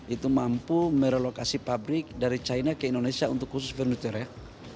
itu mampu merelokasi pabrik dari china ke indonesia untuk khusus furniture ya